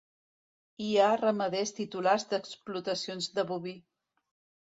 Hi ha ramaders titulars d'explotacions de boví.